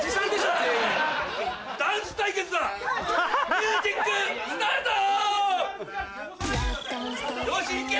ミュージックスタート！よしいけ！